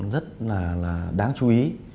rất là đáng chú ý